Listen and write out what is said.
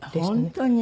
本当に。